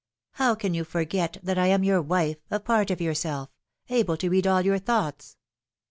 How can you forget that I am your wife, a part of yourself, able to read all your thoughts